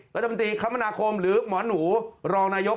รัฐมนตรีคมนาคมหรือหมอหนูรองนายก